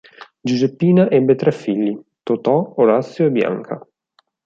Giuseppina ebbe tre figli; Totò, Orazio e Bianca.